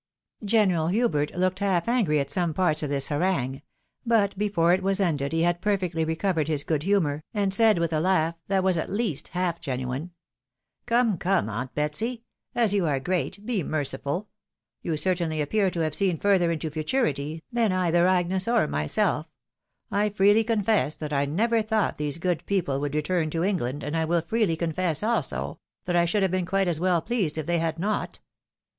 General Hubert looked half angry at some parts of this harangue ; but before it was ended he had perfectly recovered his good humour, and said with a laugh, that was at least half genuine, " Come, come, aunt Betsy. As you are great, be merciful — ^you certainly appear to have seen further into futurity, than either Agnes or myself — ^I freely confess that I never thought these good people would return to England, and I will freely confess, also, that I should have been quite as well pleased if they had not.